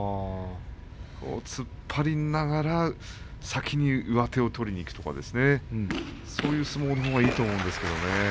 突っ張りながら先に上手を取りにいくとかそういった相撲はいいと思うんですけどね。